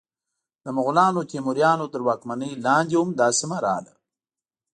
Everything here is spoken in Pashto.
د مغولانو، تیموریانو تر واکمنۍ لاندې هم دا سیمه راغله.